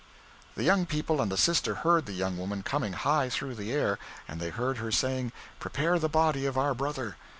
The young people and the sister heard the young woman coming high through the air, and they heard her saying: 'Prepare the body of our brother.'